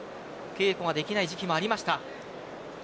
稽古ができない時期もありました。